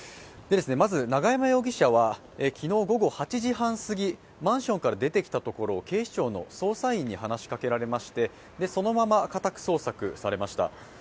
まず永山容疑者は昨日午後８時半すぎ、マンションから出てきたところを警視庁の捜査員に話しかけられましてそのまま家宅捜索されました。